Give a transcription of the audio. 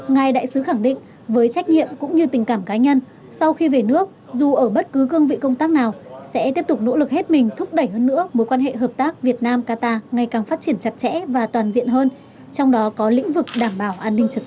ngài đại sứ khẳng định với trách nhiệm cũng như tình cảm cá nhân sau khi về nước dù ở bất cứ cương vị công tác nào sẽ tiếp tục nỗ lực hết mình thúc đẩy hơn nữa mối quan hệ hợp tác việt nam qatar ngày càng phát triển chặt chẽ và toàn diện hơn trong đó có lĩnh vực đảm bảo an ninh trật tự